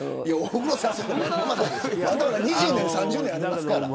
大黒さんあと２０年３０年ありますから。